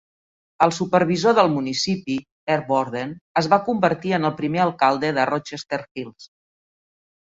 El supervisor del municipi, Earl E. Borden, es va convertir en el primer alcalde de Rochester Hills.